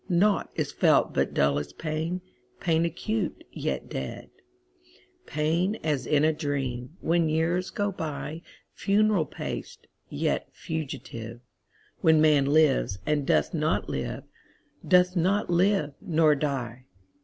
Naught is felt but dullest pain, Pain acute, yet dead; Pain as in a dream, When years go byFuneral paced, yet fugitive, When man lives, and doth not live, Doth not live—nor die.